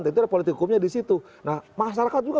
itu adalah politik hukumnya di situ nah masyarakat juga